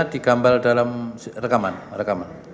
digambar dalam rekaman